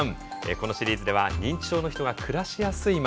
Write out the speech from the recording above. このシリーズでは認知症の人が暮らしやすい町